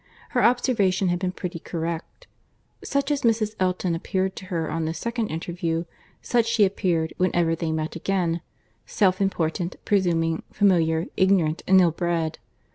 Her observation had been pretty correct. Such as Mrs. Elton appeared to her on this second interview, such she appeared whenever they met again,—self important, presuming, familiar, ignorant, and ill bred.